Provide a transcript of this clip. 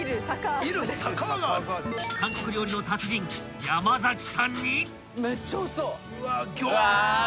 ［韓国料理の達人山崎さんに］